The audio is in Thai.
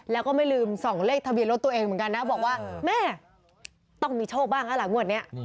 แล้วก็ไม่ลืมส่องเลขทะเบียนรถตัวเองเหมือนกันนะบอกว่าแม่ต้องมีโชคบ้างแล้วล่ะงวดนี้